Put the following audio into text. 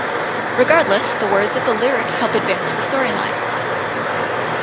Regardless, the words of the lyric help advance the storyline.